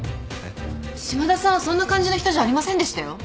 嶋田さんはそんな感じの人じゃありませんでしたよ。